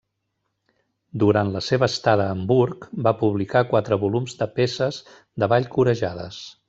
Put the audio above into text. Durant la seva estada a Hamburg va publicar quatre volums de peces de ball corejades.